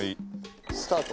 スタート。